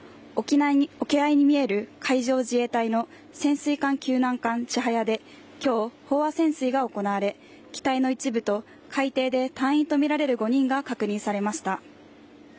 沖合に見える海上自衛隊の潜水艦救難艦「ちはや」で今日、飽和潜水が行われ機体の一部と海底で隊員とみられる５人が確認されました。